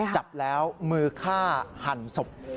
จับแล้วมือฆ่าหันศพ